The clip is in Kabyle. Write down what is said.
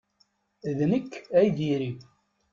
D nekk ay diri!